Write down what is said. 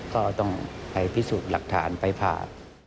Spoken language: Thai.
ก็ต้องไปพิสูจน์หลักฐานไปผ่า